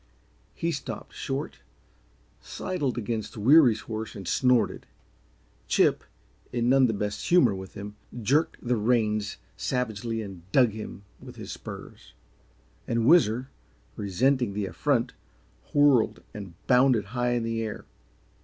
He stopped short, sidled against Weary's horse and snorted. Chip, in none the best humor with him, jerked the reins savagely and dug him with his spurs, and Whizzer, resenting the affront, whirled and bounded high in the air.